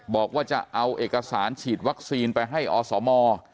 บอกว่าจะเอาเอกสารฉีดวัคซีนไปให้อสม